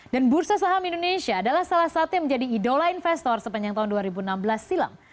dan bursa saham indonesia adalah salah satu yang menjadi idola investor sepanjang tahun dua ribu enam belas silam